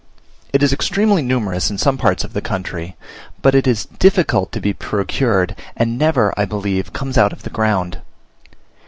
It is extremely numerous in some parts of the country, but it is difficult to be procured, and never, I believe, comes out of the ground.